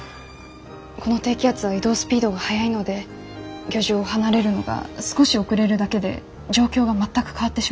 この低気圧は移動スピードが速いので漁場を離れるのが少し遅れるだけで状況が全く変わってしまうんです。